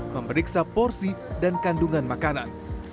memeriksa porsi dan kandungan makanan